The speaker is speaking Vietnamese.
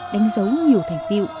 đánh dấu nhiều thành tiệu